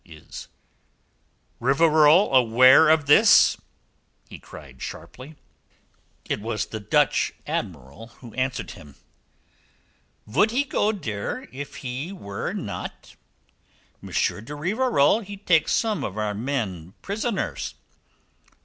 "Is Rivarol aware of this?" he cried sharply. It was the Dutch Admiral who answered him. "Vould he go dere if he were not? M. de Rivarol he take some of our men prisoners.